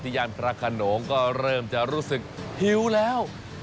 ย่านพระขนงก็เริ่มจะรู้สึกหิวแล้ว